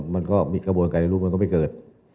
มันก็มีกระบวนการในรูปมันก็ไม่เกิด